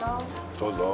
どうぞ。